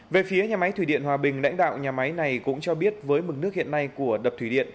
về phía nhà máy thủy điện hòa bình lãnh đạo nhà máy này cũng cho biết với mực nước hiện nay của đập thủy điện